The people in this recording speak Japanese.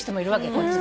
こっちで。